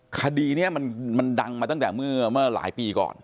คดีนี้มันดังมาตั้งแต่เมื่อหลายปีก่อน